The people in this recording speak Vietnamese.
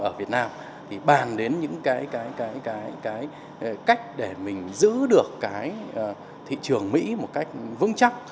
ở việt nam thì bàn đến những cái cách để mình giữ được cái thị trường mỹ một cách vững chắc